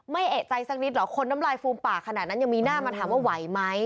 เอกใจสักนิดเหรอคนน้ำลายฟูมปากขนาดนั้นยังมีหน้ามาถามว่าไหวไหม